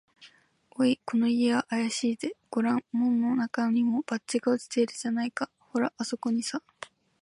「おい、この家があやしいぜ。ごらん、門のなかにも、バッジが落ちているじゃないか。ほら、あすこにさ」